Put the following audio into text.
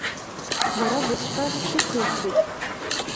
Бара бызҳәаз сықәихит.